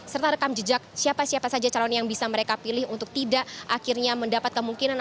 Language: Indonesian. serta rekam jejak siapa siapa saja calon yang bisa mereka pilih untuk tidak akhirnya mendapat kemungkinan